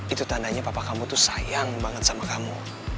itu tandanya papa kamu tuh sayang banget sama kamu